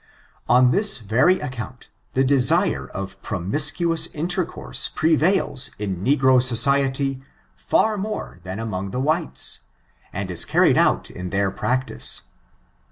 On this very account, the desire of promiscuous intercourse prevails in negro society far more than among the whites, and is carried out in their practice.